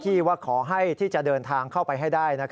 พระบุว่าจะมารับคนให้เดินทางเข้าไปในวัดพระธรรมกาลนะคะ